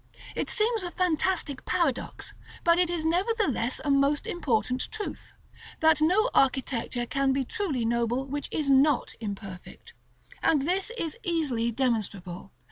It seems a fantastic paradox, but it is nevertheless a most important truth, that no architecture can be truly noble which is not imperfect. And this is easily demonstrable.